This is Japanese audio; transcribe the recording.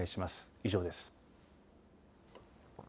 以上です。